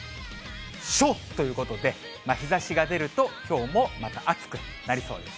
暑！ということで、日ざしが出ると、きょうもまた暑くなりそうです。